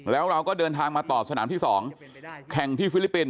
แล้วเราก็เดินทางมาต่อสนามที่๒แข่งที่ฟิลิปปินส